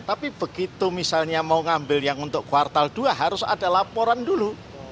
tapi begitu misalnya mau ngambil yang untuk kuartal dua harus ada laporan dulu